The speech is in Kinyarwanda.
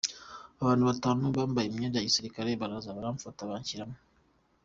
Abantu batanu bambaye imyenda ya Gisirikare baraza baramfata banshyiramo.